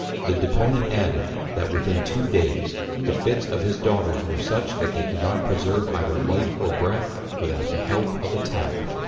_ The Deponent added, that within Two Days, the Fits of his Daughters were such, that they could not preserve either Life or Breath, without the help of a Tap.